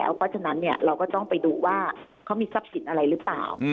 เพราะฉะนั้นเราก็ต้องไปดูว่าเขามีทรัพย์สินอะไรหรือเปล่า